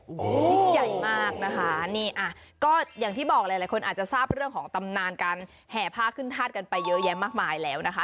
ยิ่งใหญ่มากนะคะนี่อ่ะก็อย่างที่บอกหลายคนอาจจะทราบเรื่องของตำนานการแห่ผ้าขึ้นธาตุกันไปเยอะแยะมากมายแล้วนะคะ